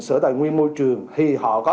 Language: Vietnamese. sở tài nguyên môi trường thì họ có